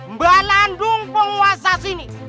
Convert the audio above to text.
mbak landung penguasa sini